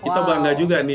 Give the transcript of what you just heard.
kita bangga juga nih